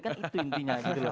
kan itu intinya